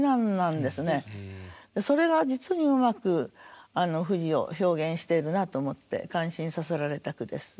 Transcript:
それが実にうまく富士を表現しているなと思って感心させられた句です。